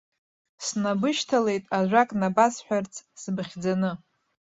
Снабышьҭалеит ажәак набасҳәарц сбыхьӡаны!